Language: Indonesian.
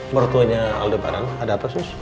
mertuanya aldebaran ada apa sus